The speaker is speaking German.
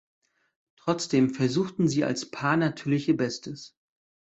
Trotzdem versuchten sie als Paar natürlich ihr Bestes.